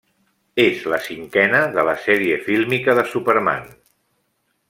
És la cinquena de la sèrie fílmica de Superman.